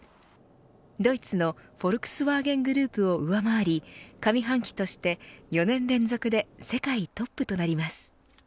ドイツのフォルクスワーゲングループを上回り上半期として４年連続で世界トップとなります。